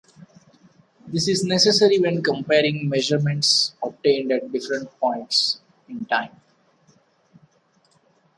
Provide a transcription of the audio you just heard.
This is necessary when comparing measurements obtained at different points in time.